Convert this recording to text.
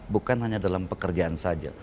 bukan hanya dalam pekerjaan saja